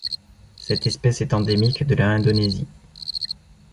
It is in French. Cette espèce est endémique de la Indonésie.